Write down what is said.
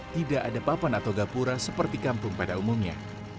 tidak ada papan atau gapura seperti kampung pada umumnya